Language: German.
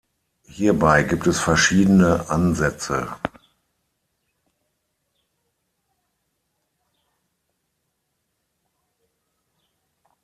Hierbei gibt es verschiedene Ansätze.